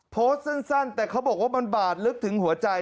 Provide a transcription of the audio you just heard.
โพสต์สั้นแต่เขาบอกว่ามันบาดลึกถึงหัวใจ